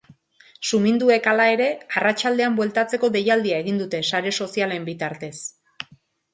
Suminduek, hala ere, arratsaldean bueltatzeko deialdia egin dute sare sozialen bitartez.